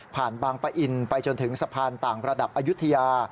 บางปะอินไปจนถึงสะพานต่างระดับอายุทยา